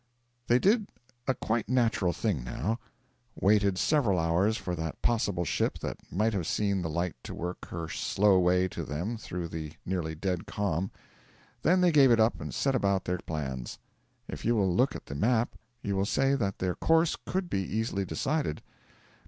They did a quite natural thing now: waited several hours for that possible ship that might have seen the light to work her slow way to them through the nearly dead calm. Then they gave it up and set about their plans. If you will look at the map you will say that their course could be easily decided.